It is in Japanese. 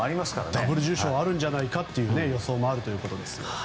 ダブル受賞があるんじゃないかという予想もあるということです。